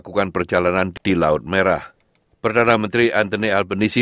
juga perlu tahu bahwa mereka adalah manajemen senior